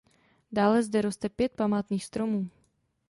Dále zde roste pět památných stromů.